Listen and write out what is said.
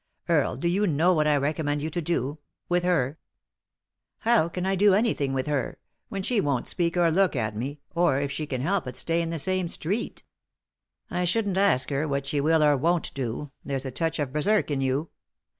Earle, do you know what I recommend you to do — with her ?" "How can I do anything with her — when she won't speak or look at me, or, if she can help it, stay in the same street ?"" I shouldn't ask her what she will or won't do. There's a touch of berserk in you.